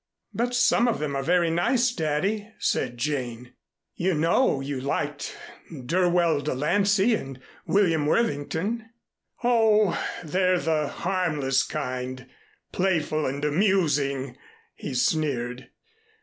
"But some of them are very nice, Daddy," said Jane. "You know you liked Dirwell De Lancey and William Worthington." "Oh, they're the harmless kind, playful and amusing!" he sneered.